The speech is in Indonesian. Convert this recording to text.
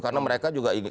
karena mereka juga ingin